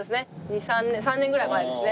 ２３年３年ぐらい前ですね。